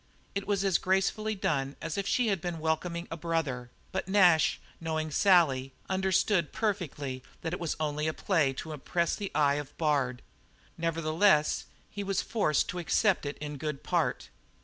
It was as gracefully done as if she had been welcoming a brother, but Nash, knowing Sally, understood perfectly that it was only a play to impress the eye of Bard. Nevertheless he was forced to accept it in good part.